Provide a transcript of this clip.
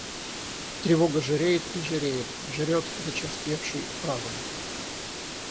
Тревога жиреет и жиреет, жрет зачерствевший разум.